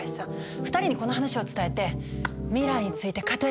２人にこの話を伝えて未来について語り合うの。